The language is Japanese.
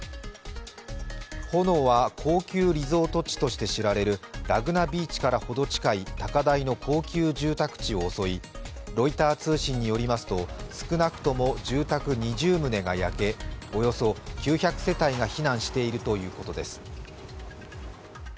炎は高級リゾート地として知られるラグナビーチからほど近い高台の高級住宅地を遅い、ロイター通信によりますと少なくとも住宅２０棟が焼け、およそ９００世帯が避難しているということです。